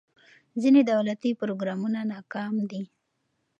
ځینې دولتي پروګرامونه ناکام دي.